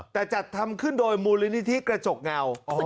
แต่จัดทำขึ้นโดยมูลนิธิกระจกเงา